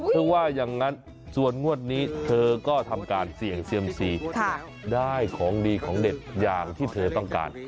ว่าอย่างนั้นส่วนงวดนี้เธอก็ทำการเสี่ยงเซียมซีได้ของดีของเด็ดอย่างที่เธอต้องการ